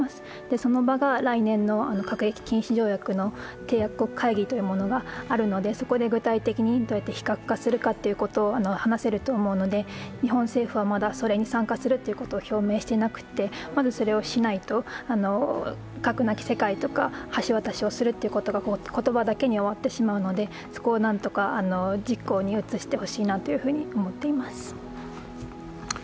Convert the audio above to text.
その場が来年の核兵器禁止条約の締約国会議があるので、そこで具体的にどうやって非核化するかを話せると思うので、日本政府はまだそれに参加するということを表明していなくてまずそれをしないと核なき世界とか橋渡しをするということが言葉だけに終わってしまうので、そこを何とか実行に移してほしいと思っています。